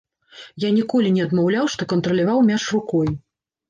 Я ніколі не адмаўляў, што кантраляваў мяч рукой.